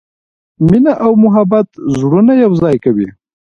مینه او محبت زړونه یو ځای کوي.